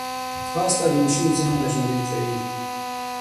ځغاسته د ماشوم ذهن راژوندی کوي